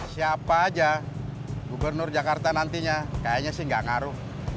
siapa aja gubernur jakarta nantinya kayaknya sih nggak ngaruh